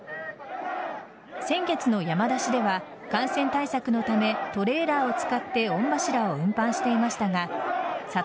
先月の山出しでは感染対策のためトレーラーを使って御柱を運搬していましたが里